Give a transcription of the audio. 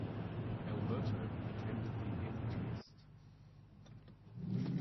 Alberto attended the in Trieste.